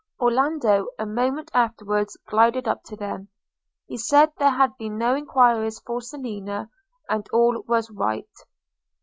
Orlando a moment afterwards glided up to them: he said there had been no enquiries for Selina, and all was right.